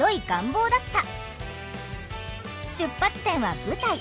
出発点は舞台。